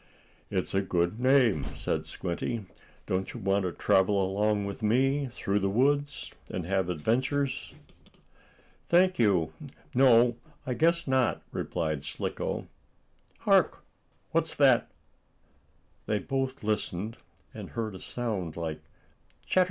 "It is a good name," said Squinty. "Don't you want to travel along with me, through the woods, and have adventures?" "Thank you, no. I guess not," replied Slicko. "Hark! What's that?" They both listened, and heard a sound like: "Chatter!